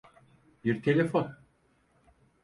Bir telefon.